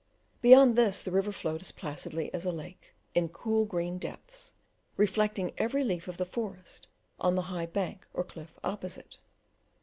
Beyond this the river flowed as placidly as a lake, in cool green depths, reflecting every leaf of the forest on the high bank or cliff opposite.